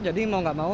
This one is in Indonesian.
jadi mau enggak mau